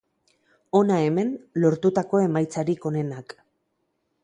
Hona hemen lortutako emaitzarik onenak